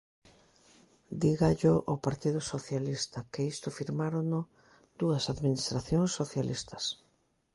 Dígallo ao Partido Socialista, que isto firmárono dúas administracións socialistas.